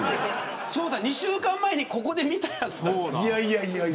そうだ２週間前にここで見たやつだって。